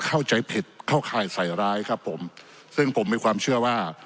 เข้าใจผิดเข้าข่ายใส่ร้ายครับผมซึ่งผมมีความเชื่อว่า